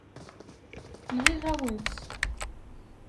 Nɣiɣ-awen-tt.